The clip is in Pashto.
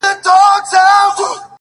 دغه د کرکي او نفرت کليمه;